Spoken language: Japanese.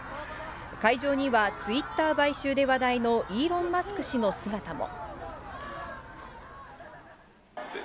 会場には、ツイッター買収で話題のイーロン・マスク氏の姿も。